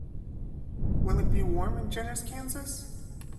Will it be warm in Jenners Kansas?